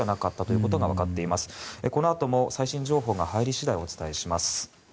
このあとも最新情報が入り次第お伝えします。